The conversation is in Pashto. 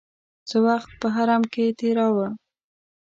وخت په حرم کې تېراوه.